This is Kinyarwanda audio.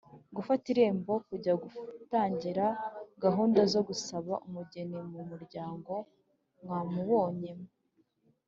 gufata irembo: kujya gutangira gahunda zo gusaba umugeni mu muryango mwamubonyemo